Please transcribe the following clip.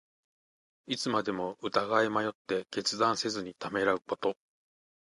いつまでも疑い迷って、決断せずにためらうこと。